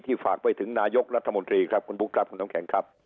ที่ฝากไปถึงนายกรัฐมนตรีคุณพุทธครับคุณต้องแข่งครับ